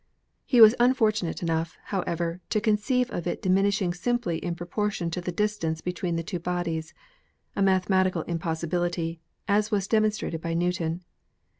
He was unfortunate enough, however, to conceive of it diminishing simply in proportion to the distance between the two bodies, a mathematical impossibility, as was dem onstrated by Newton.